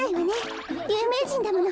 ゆうめいじんだもの